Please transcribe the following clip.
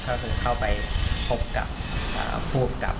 ก็คือเข้าไปพบกับผู้กำกับ